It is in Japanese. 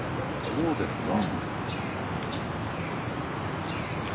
そうですか。